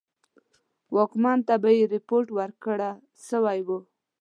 واکمن ته به یې رپوټ ورکړه سوی وو.